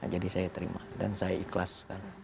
jadi saya terima dan saya ikhlas